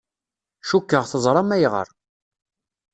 Cukkeɣ teẓram ayɣer.